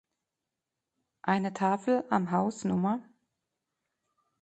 Eine Tafel am Haus Nr.